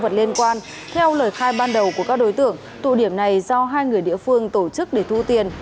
theo lời khai ban đầu của các đối tượng tụ điểm này do hai người địa phương tổ chức để thu tiền